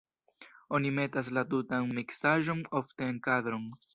Oni metas la tutan miksaĵon ofte en kadron.